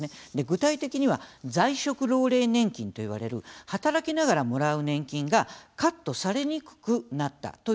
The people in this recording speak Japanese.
具体的には在職老齢年金といわれる働きながらもらう年金がカットされにくくなったという話なんです。